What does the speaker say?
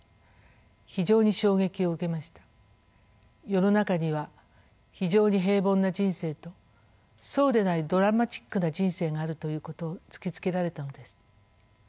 世の中には非常に平凡な人生とそうでないドラマチックな人生があるということを突きつけられたのです。